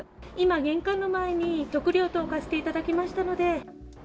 今、玄関の前に食料等置かせていただきましたので。